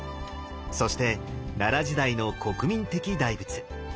そして奈良時代の国民的大仏。